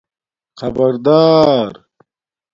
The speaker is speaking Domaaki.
خبردار